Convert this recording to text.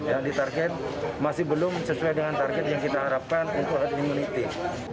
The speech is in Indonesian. yang di target masih belum sesuai dengan target yang kita harapkan untuk immunity